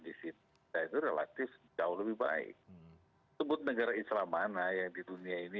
menurut saya ini